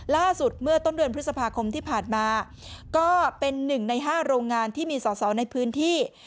ล่าสุดเมื่อต้นเดือนพฤษภาคมที่ผ่านมาก็เป็น๑ใน๕โรงงานที่มีสอสอในพื้นที่